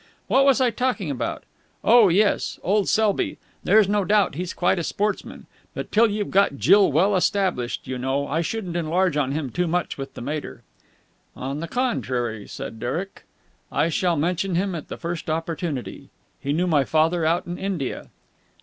What was I talking about? Oh, yes, old Selby. There's no doubt he's quite a sportsman. But till you've got Jill well established, you know, I shouldn't enlarge on him too much with the mater." "On the contrary," said Derek, "I shall mention him at the first opportunity. He knew my father out in India."